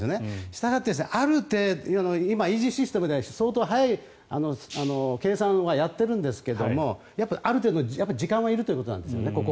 したがって、今イージスシステムで相当早い計算はやっているんですがある程度の時間はいるということなんですね。